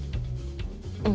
うん。